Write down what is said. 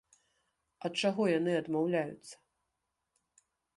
Ад чаго яны адмаўляюцца?